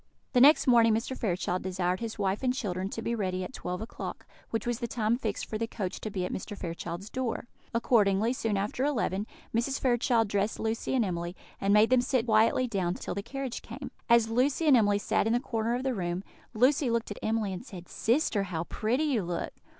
The next morning Mr. Fairchild desired his wife and children to be ready at twelve o'clock, which was the time fixed for the coach to be at Mr. Fairchild's door. Accordingly, soon after eleven, Mrs. Fairchild dressed Lucy and Emily, and made them sit quietly down till the carriage came. As Lucy and Emily sat in the corner of the room, Lucy looked at Emily, and said: "Sister, how pretty you look!"